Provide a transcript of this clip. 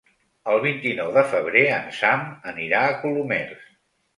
El vint-i-nou de febrer en Sam anirà a Colomers.